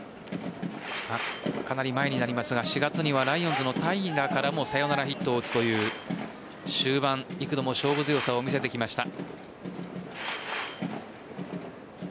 かなり前になりますが４月にはライオンズの平良からもサヨナラヒットを打つという終盤、幾度も勝負強さを見せてきました。